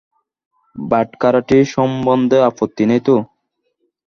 বাটখারাটি সম্বন্ধে আপত্তি নেই তো?